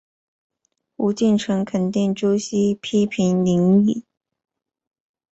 胡晋臣肯定朱熹批评林栗。